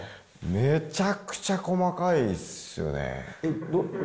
めちゃくちゃ細かいですよね。